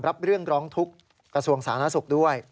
รับเรื่องร้องทุกข์กระทรวงสาธารณสุขด้วย